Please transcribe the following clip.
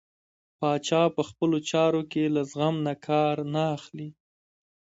پاچا په خپلو چارو کې له زغم نه کار نه اخلي .